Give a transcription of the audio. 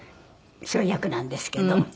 そういう役なんですけど。